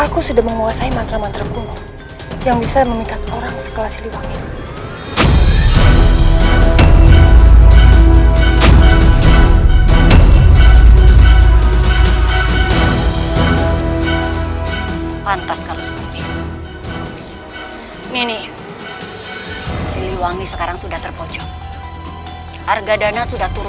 kau yang ngesenang dulu